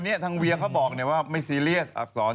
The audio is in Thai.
คือทางเวียเขาบอกไม่ซีเรียสฯ